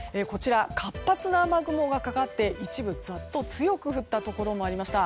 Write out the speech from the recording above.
活発な雨雲がかかって一部ザッと強く降ったところもありました。